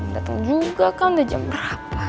datang juga kan udah jam berapa